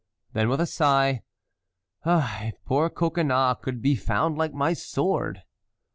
Then with a sigh, "Ah! if poor Coconnas could be found like my sword!"